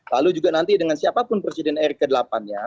lalu juga nanti dengan siapapun presiden erick ke delapan nya